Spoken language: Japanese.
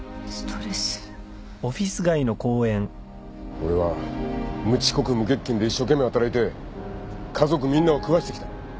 俺は無遅刻無欠勤で一生懸命働いて家族みんなを食わしてきた。